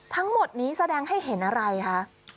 ทั้งหมดนี้แสดงให้เห็นอะไรคะ